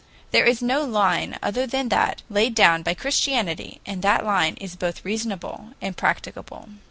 There is no line other than that laid down by Christianity, and that line is both reasonable and practicable.